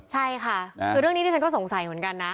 ใช่ค่ะคือเรื่องนี้ที่ฉันก็สงสัยเหมือนกันนะ